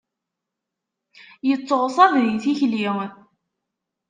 Yetteɣṣab di tikli.